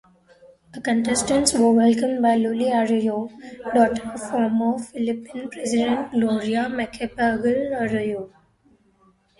The contestants were welcomed by Luli Arroyo, daughter of Former Philippine president Gloria Macapagal-Arroyo.